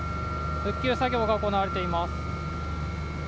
復旧作業が行われています。